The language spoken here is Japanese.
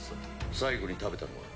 最後に食べたのは？